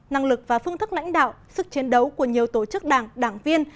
năng lực và phương thức lãnh đạo sức chiến đấu của nhiều tổ chức đảng đảng viên